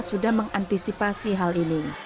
sudah mengantisipasi hal ini